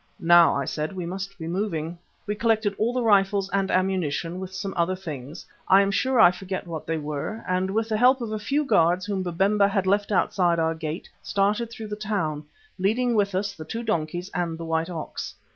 "Now," I said, "we must be moving." We collected all the rifles and ammunition, with some other things, I am sure I forget what they were, and with the help of a few guards whom Babemba had left outside our gate started through the town, leading with us the two donkeys and the white ox.